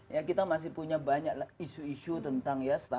ya kita masih punya banyak isu isu tentang ya